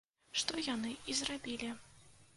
Што яны і зрабілі.